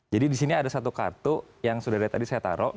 jadi di sini ada satu kartu yang sudah dari tadi saya taruh